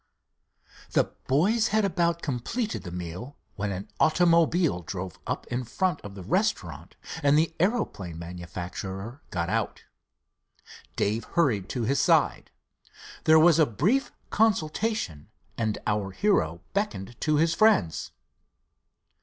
The boys had about completed the meal, when an automobile drove up in front of the restaurant and the aeroplane manufacturer got out. Dave hurried to his side. There was a brief consultation, and our hero beckoned to his friends.